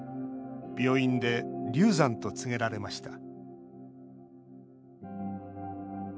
病院で流産と告げられました